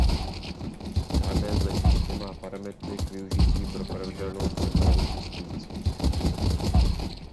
Žádné z letišť nemá parametry k využití pro pravidelnou přepravu cestujících.